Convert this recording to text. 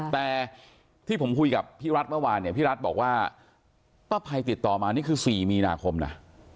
แต่ที่ผมคุยกับพี่รัฐเมื่อวานเนี่ยพี่รัฐบอกว่าป้าภัยติดต่อมานี่คือ๔มีนาคมนะ